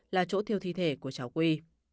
là chỗ thiêu thi thể của cháu quy